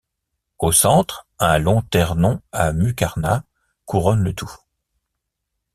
Au centre, un lanternon à muqarnas couronne le tout.